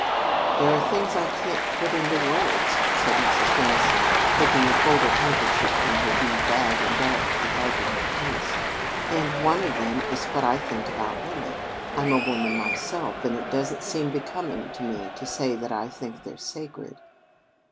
"There are things I can't put into words," said Mrs. Dennison, taking a folded handkerchief from her bead bag and delicately wiping her face, "and one of them is what I think about women. I'm a woman myself, and it doesn't seem becoming to me to say that I think they're sacred."